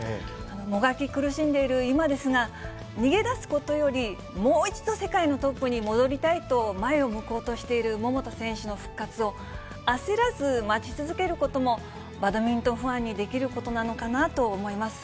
もがき苦しんでいる今ですが、逃げ出すことより、もう一度、世界のトップに戻りたいと、前を向こうとしている桃田選手の復活を、焦らず待ち続けることも、バドミントンファンにできることなのかなと思います。